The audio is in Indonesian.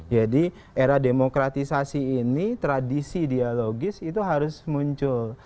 jadi era demokratisasi ini tradisi dialogis itu harus muncul